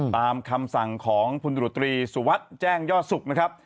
ตามคำสั่งของพลตรวจตรีสุวัสดิ์แจ้งยอดสุขนะครับ